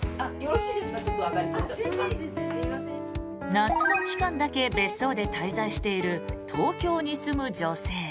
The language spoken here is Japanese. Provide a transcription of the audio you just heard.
夏の期間だけ別荘で滞在している東京に住む女性。